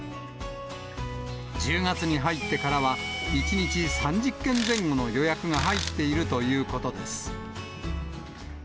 １０月に入ってからは、１日３０件前後の予約が入っているということです。